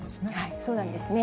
そうなんですね。